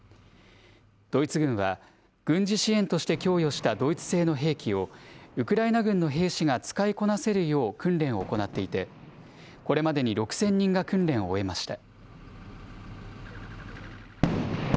ドイツ軍は、軍事支援として供与したドイツ製の兵器を、ウクライナ軍の兵士が使いこなせるよう訓練を行っていて、これまでに６０００人が訓練を終えました。